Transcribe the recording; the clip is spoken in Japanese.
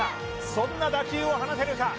そんな打球を放てるか？